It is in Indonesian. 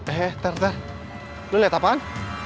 eh eh ter ter lu liat apaan